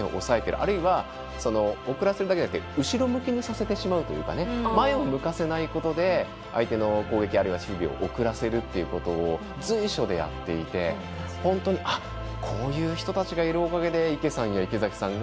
あるいは遅らせるのではなく後ろ向きにさせてしまうというか前に向かせないことで相手の攻撃や守備を遅らせること随所でやっていてこういう人たちがいるおかげで池さんや池崎さんが